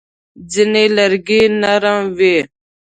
ځینې لرګي نرم وي.